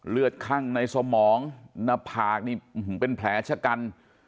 คั่งในสมองหน้าผากนี่เป็นแผลชะกัน